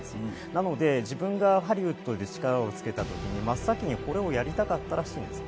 なので自分がハリウッドで力を付けた時に真っ先にこれをやりたかったらしいです。